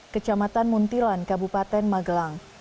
kecamatan muntilan kabupaten magelang